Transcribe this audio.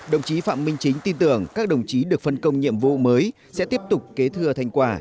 đồng chí phạm minh chính tin tưởng các đồng chí được phân công nhiệm vụ mới sẽ tiếp tục kế thừa thành quả